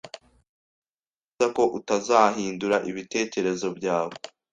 Uzi neza ko utazahindura ibitekerezo byawe?